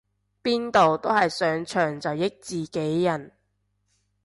邊度都係上場就益自己人